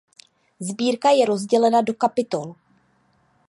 Sbírka je rozdělena do kapitol.